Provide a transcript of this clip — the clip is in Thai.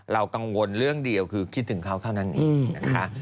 กังวลเรื่องเดียวคือคิดถึงเขาเท่านั้นเองนะคะ